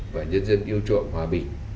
và nhân dân yêu chuộng hòa bình